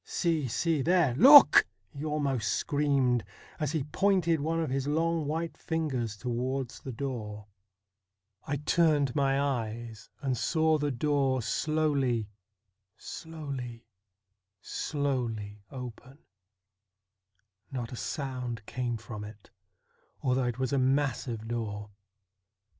See, see, there — look !' he almost screamed, as he pointed one of his long white fingers towards the door. 32 STORIES WEIRD AND WONDERFUL I turned my eyes and saw the door slowly — slowly — slowly — open. Not a sound came from it, although it was a massive door.